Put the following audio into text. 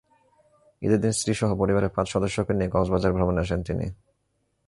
ঈদের দিন স্ত্রীসহ পরিবারের পাঁচ সদস্যকে নিয়ে কক্সবাজার ভ্রমণে আসেন তিনি।